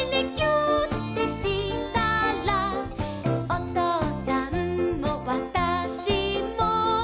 「おとうさんもわたしも」